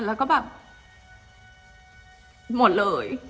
แล้วก็แบบหมดเลย